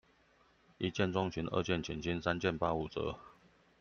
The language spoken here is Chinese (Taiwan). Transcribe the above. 一見鍾情，二見傾心，三件八五折